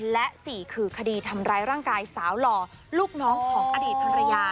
และ๔คือคดีทำร้ายร่างกายสาวหล่อลูกน้องของอดีตภรรยา